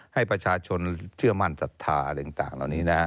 ให้ประชาชนเชื่อมั่นศรัทธาอะไรต่างเหล่านี้นะ